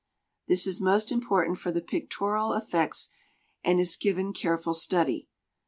This is most important for the pictorial effects and is given careful study.